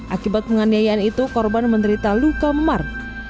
akibat penganiayaan itu korban menderita luka memar